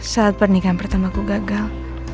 saat pernikahan pertama aku gagal